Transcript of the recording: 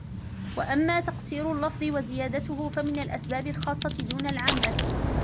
وَأَمَّا تَقْصِيرُ اللَّفْظِ وَزِيَادَتُهُ فَمِنْ الْأَسْبَابِ الْخَاصَّةِ دُونَ الْعَامَّةِ